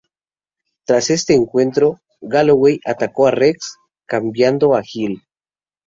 Tras este encuentro, Galloway atacó a Rex, cambiando a heel.